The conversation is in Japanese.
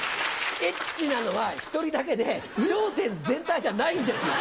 エッチなのは１人だけで、笑点全体じゃないんですよ。